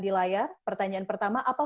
di layar pertanyaan pertama apa